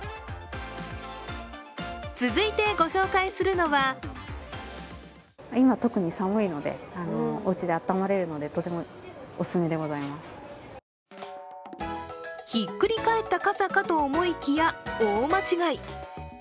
続いてご紹介するのはひっくり返った傘かと思いきや大間違い。